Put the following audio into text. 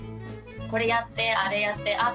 これやってあれやってあ